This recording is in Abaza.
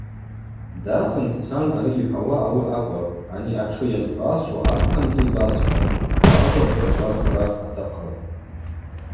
Дасын дцан ари йхӏвауа ауи акӏвапӏ, ани атшы йанпасу асхъангьи йбасхӏватӏ, бажва брыкърархра атахъыпӏ.